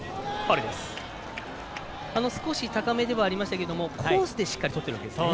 少し高めではありましたけどコースでしっかり取ってるんですね。